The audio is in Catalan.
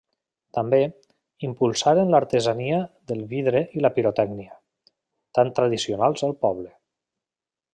També, impulsaren l'artesania del vidre i la pirotècnia, tan tradicionals al poble.